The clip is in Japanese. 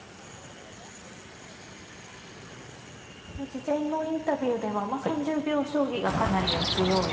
事前のインタビューでは３０秒将棋がかなりお強い。